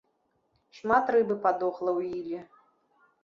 Шмат рыбы падохла ў іле.